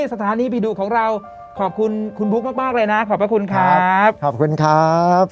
สถานีผีดุของเราขอบคุณคุณบุ๊คมากเลยนะขอบพระคุณครับขอบคุณครับ